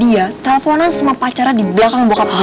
dia telponan sama pacaran di belakang bokap gue